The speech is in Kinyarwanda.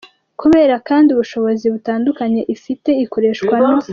Kubera kandi ubushobozi butandunye ifite ikoreshwa no